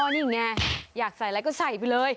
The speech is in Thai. นี่ไงอยากใส่อะไรก็ใส่ไปเลย